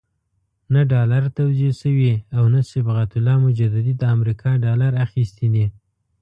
نه ډالر توزیع شوي او نه صبغت الله مجددي د امریکا ډالر اخیستي دي.